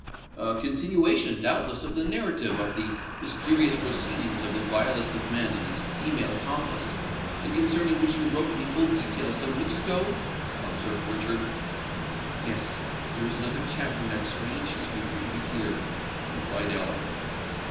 "A continuation, doubtless, of the narrative of the mysterious proceedings of the vilest of men and his female accomplice, and concerning which you wrote me full details some weeks ago?" observed Richard. "Yes—there is another chapter in that strange history for you to hear," replied Ellen.